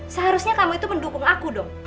seharusnya kamu itu mendukung aku dong